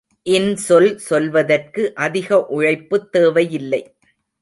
இன்சொல் சொல்வதற்கு அதிக உழைப்புத் தேவையில்லை.